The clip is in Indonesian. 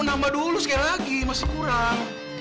nambah dulu sekali lagi masih kurang